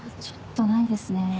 ちょっとないですね。